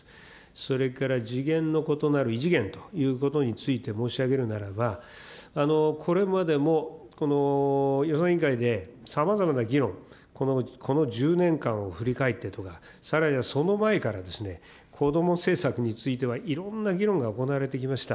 それから次元の異なる異次元ということについて申し上げるならば、これまでも、予算委員会でさまざまな議論、この１０年間を振り返ってとか、さらにはその前から、こども政策についてはいろんな議論が行われてきました。